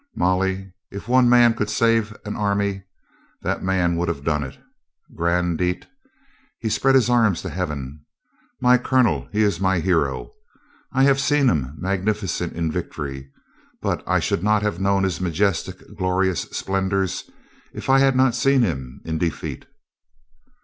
"Molly, if one man could save an army, that man would have done it. Grand Diett!" he spread his arms to heaven. "My colonel, he is my hero, I have seen him magnificent in victory, but I should have not known his majestic, glorious splendors if I had not seen him in defeat."